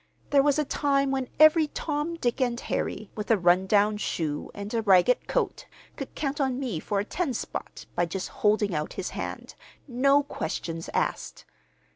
"There was a time when every Tom, Dick, and Harry, with a run down shoe and a ragged coat, could count on me for a ten spot by just holding out his hand, no questions asked.